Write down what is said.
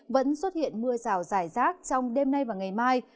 vẫn xuất hiện mưa rào rải rác trong đêm nay và ngày mai